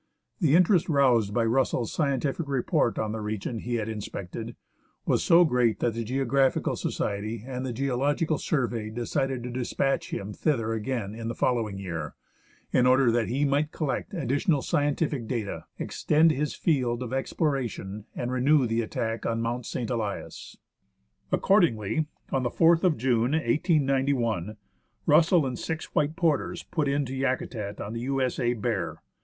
The interest roused by Russell's scientific report on the region he had inspected was so great that the " Geographical Society " and the " Geological Survey " decided to despatch him thither again in the following year, in order that he might collect addi tional scientific data, extend his field of exploration, and renew the attack on Mount St. Elias. Accordingly, on the 4th of June, 1891, Russell and six white porters put in to Yakutat on the U.S.A. Bear.